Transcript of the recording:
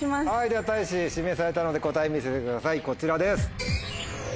ではたいし指名されたので答え見せてくださいこちらです。